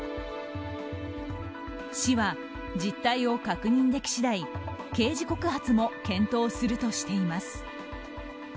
市は実態を確認でき次第刑事告発も検討するとしています。